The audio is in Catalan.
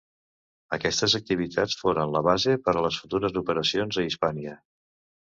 Aquestes activitats foren la base per a les futures operacions a Hispània.